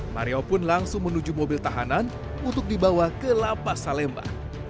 mario pun langsung menuju mobil tahanan untuk dibawa ke lapas salemba